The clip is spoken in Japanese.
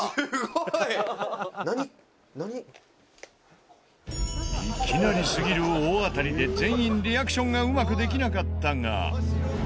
いきなりすぎる大当たりで全員リアクションがうまくできなかったが。